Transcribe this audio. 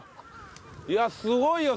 いやすごいよ澤部。